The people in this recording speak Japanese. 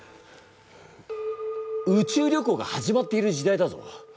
うちゅう旅行が始まっている時代だぞ。